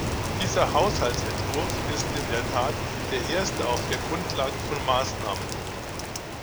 Dieser Haushaltsentwurf ist in der Tat der erste auf der Grundlage von Maßnahmen.